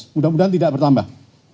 mudah mudahan tidak bertambah